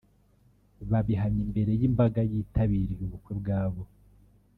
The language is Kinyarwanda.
babihamya imbere y’imbaga yitabiriye ubukwe bwabo